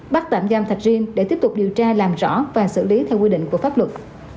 bắt tạm giam thạch riêng để tiếp tục điều tra làm rõ và xử lý theo quy định của pháp luật